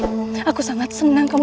tidak aku tidak pernah membencimu